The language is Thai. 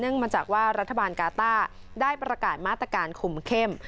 มาจากว่ารัฐบาลกาต้าได้ประกาศมาตรการคุมเข้ม